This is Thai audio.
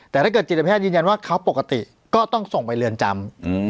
แต่ถ้าเกิดจิตแพทย์ยืนยันว่าเขาปกติก็ต้องส่งไปเรือนจำ